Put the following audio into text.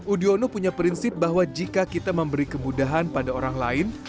udiono punya prinsip bahwa jika kita memberi kemudahan pada orang lain